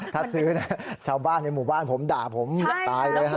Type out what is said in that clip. ถ้าซื้อนะชาวบ้านในหมู่บ้านผมด่าผมตายเลยฮะ